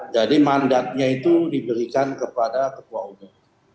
jadi mandatnya itu diberikan kepada ketua umum